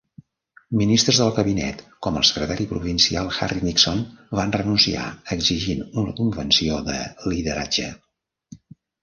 Ministres del gabinet, com el secretari provincial Harry Nixon, van renunciar, exigint una convenció de lideratge.